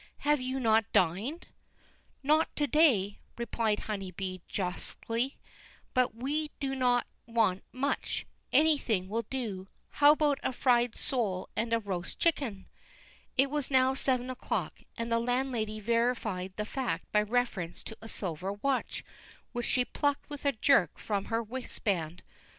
"Have you not dined?" "Not to day," replied Honeybee, jocosely; "but we do not want much anything will do. How about a fried sole and a roast chicken?" It was now seven o'clock, and the landlady verified the fact by reference to a silver watch, which she plucked with a jerk from her waistband.